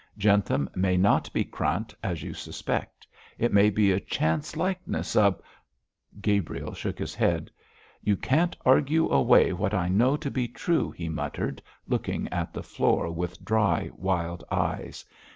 Jentham may not be Krant as you suspect. It may be a chance likeness a ' Gabriel shook his head. 'You can't argue away what I know to be true,' he muttered, looking at the floor with dry, wild eyes.